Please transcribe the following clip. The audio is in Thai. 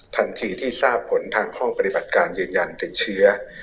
ทันทีที่ทราบผลทางห้องปฏิบัติการยืนยันติดเชื้อ